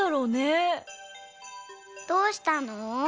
どうしたの？